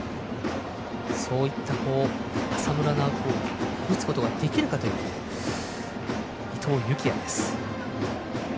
そういった浅村のあとを打つことができるかという伊藤裕季也です。